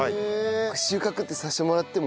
収穫ってさせてもらっても？